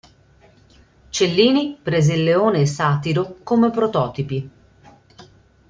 Cellini prese il leone e Satiro come prototipi.